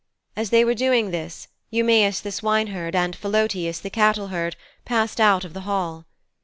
As they were doing this, Eumæus, the swineherd, and Philœtius, the cattleherd, passed out of the hall.